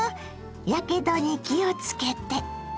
やけどに気をつけて。